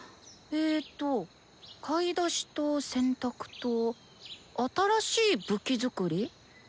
えと「買い出し」と「洗濯」と「新しい武器作り」。